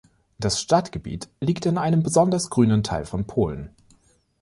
Das Stadtgebiet liegt in einem besonders grünen Teil von Polen.